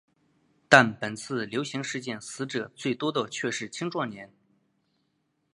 但本次流行事件死者最多的却是青壮年。